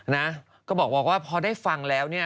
นะก็บอกว่าพอได้ฟังแล้วเนี่ย